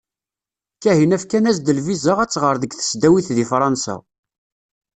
Kahina fkan-as-d lviza ad tɣer deg tesdawit di Fransa.